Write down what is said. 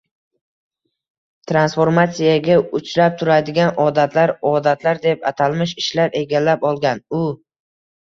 transformatsiyaga uchrab turadigan, “odatlar” “odatlar” deb atalmish ishlar egallab olgan. U